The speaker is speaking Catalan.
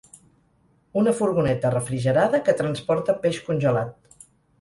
Una furgoneta refrigerada que transporta peix congelat.